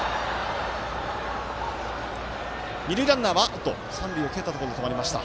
二塁ランナーは三塁を蹴ったところで止まりました。